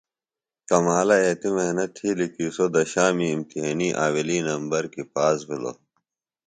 کمالہ ایتی محنت تِھیلیۡ کیۡ سوۡ دشامی امتحینیۡ آویلی نمر کیۡ پاس بِھلوۡ۔